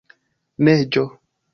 neĝo